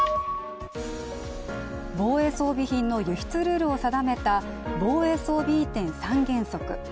防衛装備品の輸出ルールを定めた防衛装備移転三原則。